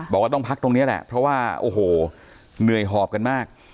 บอกว่าต้องพักตรงนี้แหละเพราะว่าโอ้โหเหนื่อยหอบกันมาก